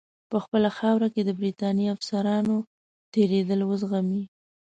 په خپله خاوره کې د برټانیې افسرانو تېرېدل وزغمي.